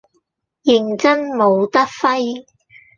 認真冇得揮